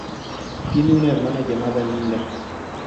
Tiene una hermana llamada Linda.